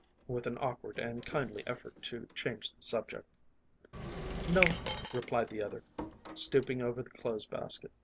with an awkward and kindly effort to change the subject. " No," replied the other, stooping over the clothes basket.